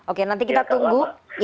oke nanti kita tunggu